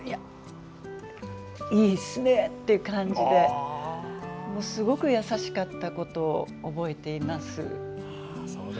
いいっすね！って感じですごく優しかったことを覚えています。